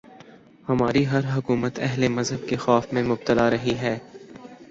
ہماری ہر حکومت اہل مذہب کے خوف میں مبتلا رہی ہے۔